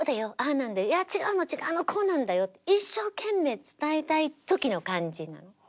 なんだよいや違うの違うのこうなんだよって一生懸命伝えたい時の感じ。